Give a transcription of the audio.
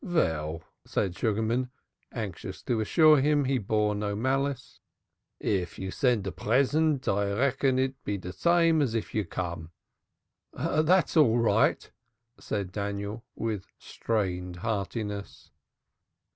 "Vell," said Sugarman, anxious to assure him he bore no malice. "If you send a present I reckon it de same as if you come." "That's all right," said Daniel with strained heartiness.